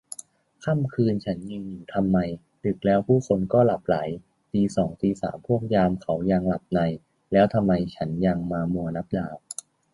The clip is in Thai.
ค่ำคืนฉันยืนอยู่ทำไม ดึกแล้วผู้คนก็หลับใหล ตีสองตีสามพวกยามเขายังหลับใน แล้วทำไมฉันยังมามัวนับดาว